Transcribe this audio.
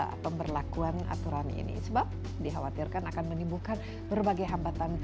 apa pemberlakuan aturan ini sebab dikhawatirkan akan menimbulkan berbagai hambatan